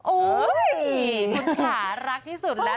โอ้ยคุณหารักที่สุดแล้ว